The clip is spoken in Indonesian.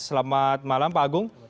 selamat malam pak agung